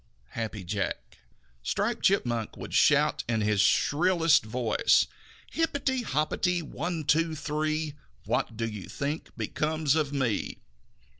Happy Jack. Striped Chipmunk would shout in his shrillest voice: "Hipperty, hopperty, one, two, three! What do you think becomes of me?"